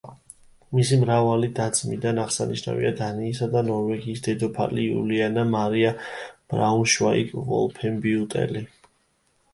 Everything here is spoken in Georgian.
მისი მრავალი და-ძმიდან აღსანიშნავია დანიისა და ნორვეგიის დედოფალი იულიანა მარია ბრაუნშვაიგ-ვოლფენბიუტელი.